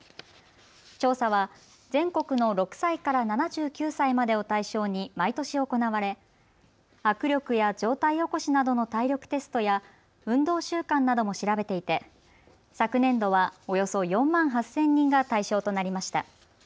調査は全国の６歳から７９歳までを対象に毎年、行われ握力や上体起こしなどの体力テストや運動習慣なども調べていて昨年度はおよそ４万８０００人が対象となりました。